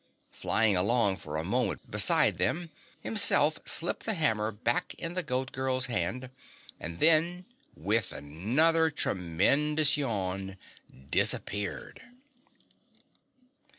Flying along for a moment beside them, Himself slipped the hammer back in the Goat Girl's hand, and then with another tremendous yawn, disappeared.